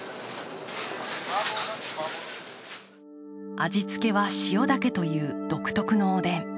味付けは塩だけという独特のおでん。